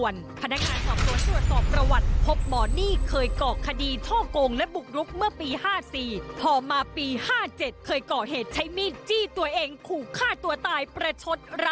แล้วก็มีดแล้วก็จุด